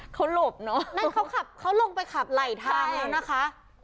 เขาหลบเนอะนั่นเขาขับเขาลงไปขับไหลทางแล้วนะคะ